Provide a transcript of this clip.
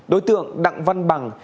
đối tượng đặng văn bằng